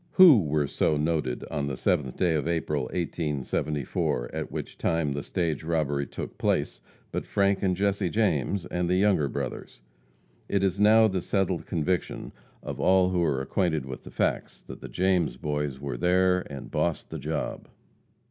Who were so noted on the 7th day of April, 1874, at which time the stage robbery took place, but Frank and Jesse James, and the Younger Brothers? It is now the settled conviction of all who are acquainted with the facts, that the James Boys were there and "bossed the job."